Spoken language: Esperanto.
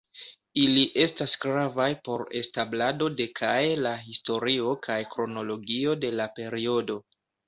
Ili estas gravaj por establado de kaj la historio kaj kronologio de la periodo.